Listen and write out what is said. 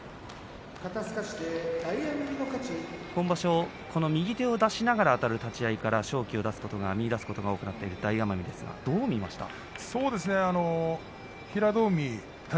今場所、右手を出しながらの立ち合いから勝機を見いだすことが多くなっている大奄美ですがどう見ますか？